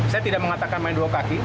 saya tidak mengatakan main dua kaki